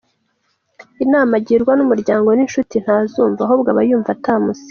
Inama agirwa n’umuryango n’inshuti ntazumva ahubwo abayumva atamusiga.